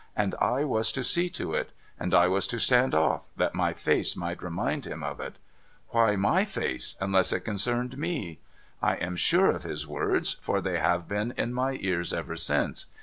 And I was to see to it. And I was to stand off, that my face might remind him of it. Why ;//v face, unless it concerned mcl I am sure of his words, for they have been in my ears ever since.